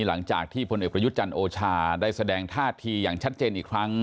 หลังจากที่พลเอกประยุทธ์จันทร์โอชาได้แสดงท่าทีอย่างชัดเจนอีกครั้ง